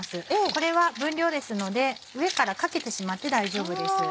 これは分量ですので上からかけてしまって大丈夫です。